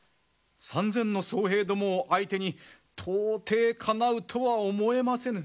３，０００の僧兵どもを相手に到底かなうとは思えませぬ。